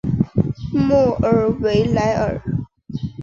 莫尔维莱尔。